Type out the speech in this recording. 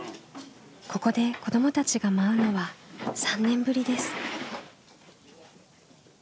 ここで子どもたちが舞うのは３年ぶりです。